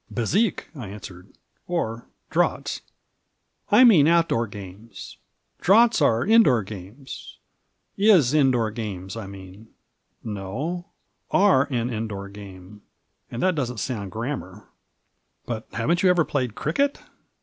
"Bezique," I answered, "or draughts." " I mean out Aoor games ; draughts are in door games — 18 in door games, I mean — ^no, are an in door game — and that doesn't sound grammar I But haven't you ever played cricket